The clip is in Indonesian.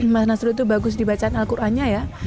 mas nasrul itu bagus di bacaan al qurannya ya